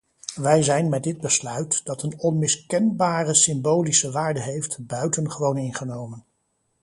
Wij zijn met dit besluit, dat een onmiskenbare symbolische waarde heeft, buitengewoon ingenomen.